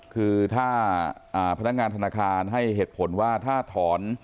คือถ้าพนักงานธนาคารให้เหตุผลว่าถ้าถอน